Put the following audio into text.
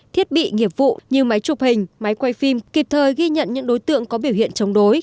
thiết bị nghiệp vụ như máy chụp hình máy quay phim kịp thời ghi nhận những đối tượng có biểu hiện chống đối